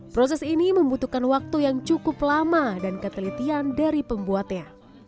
proses ini membutuhkan waktu yang cukup lama dan ketelitian dari pembuatnya